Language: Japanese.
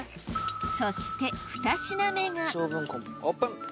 そして２品目がオープン。